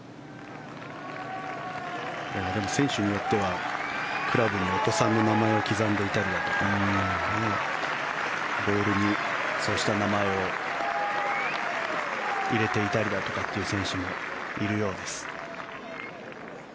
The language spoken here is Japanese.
でも、選手によってはクラブにお子さんの名前を刻んでいたりだとかボールにそうした名前を入れていたりだとかっていう選手もいるようです。